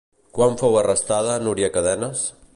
Quan fou arrestada Núria Cadenes?